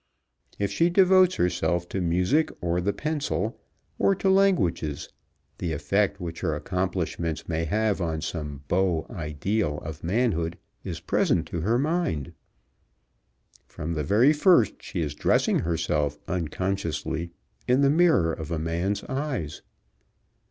If she devotes herself to music, or the pencil, or to languages, the effect which her accomplishments may have on some beau ideal of manhood is present to her mind. From the very first she is dressing herself unconsciously in the mirror of a man's eyes.